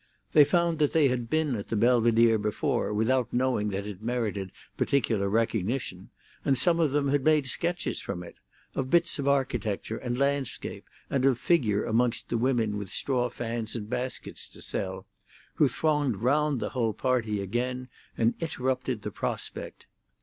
They found that they had been at the Belvedere before without knowing that it merited particular recognition, and some of them had made sketches from it—of bits of architecture and landscape, and of figure amongst the women with straw fans and baskets to sell, who thronged round the whole party again, and interrupted the prospect.